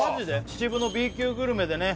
秩父のＢ級グルメでね